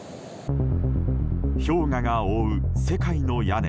氷河が覆う世界の屋根